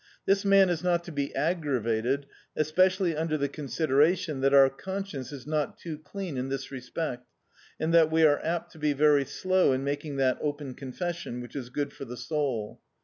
This man is not to be aggravated, especially under the consideration that oiu* conscience is not too clean in this respect, and that we are apt to be very slow in making that open confession which is good for the soul.